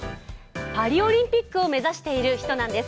パリオリンピックを目指している人なんです。